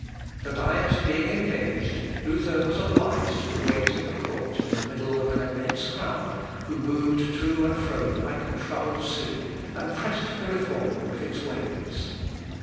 The Diet being engaged, Luther was obliged to wait in the court in the middle of an immense crowd, who moved to and fro like a troubled sea, and pressed the Reformer with its waves.